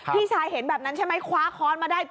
พี่ชายเห็นแบบนั้นใช่ไหมคว้าค้อนมาได้